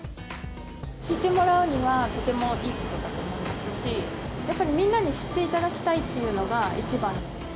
知ってもらうにはとてもいいことだと思いますし、やっぱりみんなに知っていただきたいっていうのが一番。